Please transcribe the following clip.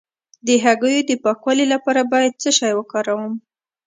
د هګیو د پاکوالي لپاره باید څه شی وکاروم؟